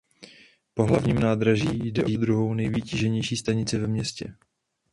Po Hlavním nádraží jde o druhou nejvytíženější stanici ve městě.